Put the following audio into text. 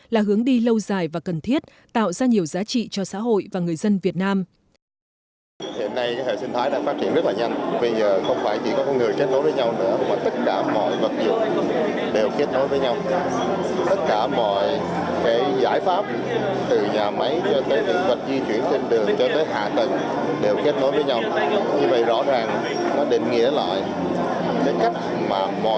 là hướng đi lâu dài và cần thiết tạo ra nhiều giá trị cho xã hội và người dân việt nam